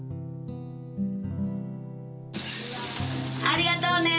ありがとうね！